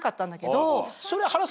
それ。